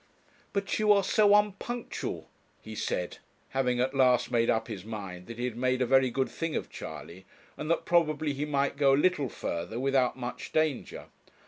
'But you are so unpunctual,' he said, having at last made up his mind that he had made a very good thing of Charley, and that probably he might go a little further without much danger.